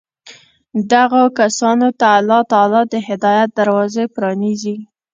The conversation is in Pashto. دغو كسانو ته الله تعالى د هدايت دروازې پرانېزي